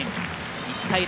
１対０。